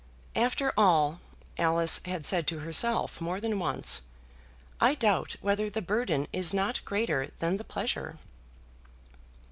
"After all," Alice had said to herself more than once, "I doubt whether the burden is not greater than the pleasure."